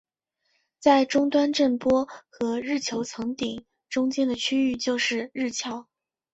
在终端震波和日球层顶中间的区域就是日鞘。